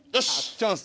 チャンス。